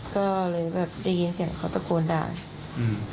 ก็เลยแบบได้ยินเสียงเขาตะโกนด่าอืม